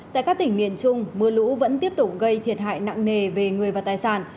tại các tỉnh miền trung mưa lũ vẫn tiếp tục gây thiệt hại nặng nề về người và tài sản